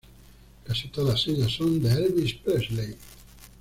Casi todas ellas son de Elvis Presley.